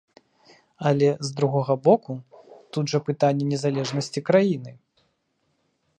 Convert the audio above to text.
Але, з другога боку, тут жа пытанне незалежнасці краіны!